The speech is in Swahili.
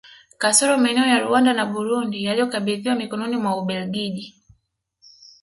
Kasoro maeneo ya Rwanda na Burundi yaliyokabidhiwa mikononi mwa Ubelgiji